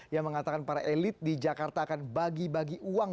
yang mengatakan para elit di jakarta akan bagi bagi uang